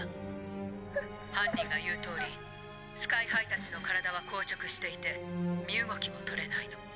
犯人が言うとおりスカイハイたちの体は硬直していて身動きもとれないの」。